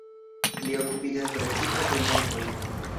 Li okupiĝas precipe pri nervoj.